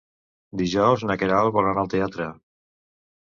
Dijous na Queralt vol anar al teatre.